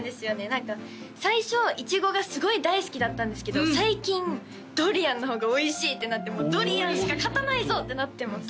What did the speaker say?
何か最初イチゴがすごい大好きだったんですけど最近ドリアンの方がおいしいってなってドリアンしか勝たないぞ！ってなってます